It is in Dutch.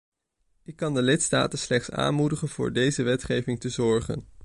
Ik kan de lidstaten slechts aanmoedigen voor deze wetgeving te zorgen.